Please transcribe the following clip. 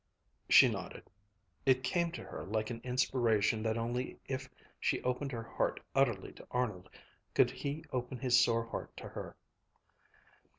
She nodded. It came to her like an inspiration that only if she opened her heart utterly to Arnold, could he open his sore heart to her.